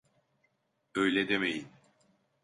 Öyle demeyin.